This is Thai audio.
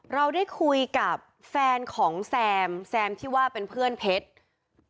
เราได้คุยกับแฟนของแซมแซมที่ว่าเป็นเพื่อนเพชร